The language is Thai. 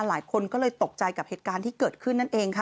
หลายคนก็เลยตกใจกับเหตุการณ์ที่เกิดขึ้นนั่นเองค่ะ